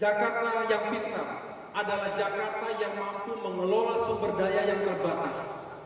jakarta yang pintar adalah jakarta yang mampu mengelola sumber daya yang terbatas